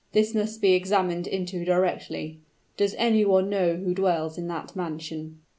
"This must be examined into directly. Does any one know who dwells in that mansion?"